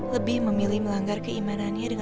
lebih memilih melanggar keimanannya dengan pacarnya